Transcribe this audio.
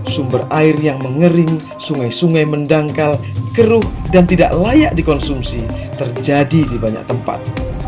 sumber air yang mengering sungai sungai mendangkal keruh dan tidak layak dikonsumsi terjadi di banyak tempat